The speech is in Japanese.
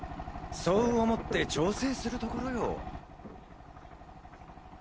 そう思って調整するところよ。